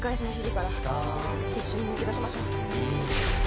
一緒に抜け出しましょう。